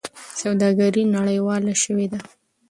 سوداګري نړیواله شوې ده.